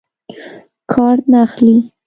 کارټ نه اخلي.